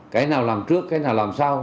cái nào làm trước cái nào làm sau